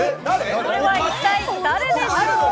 それは一体誰でしょう？